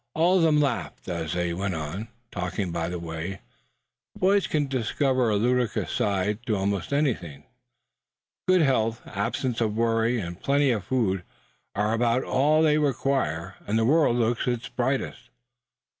All of them laughed as they went on, talking by the way. Boys can discover a ludicrous side to almost anything. Good health, absence of worry, and plenty of food are about all they require; and the world looks its brightest.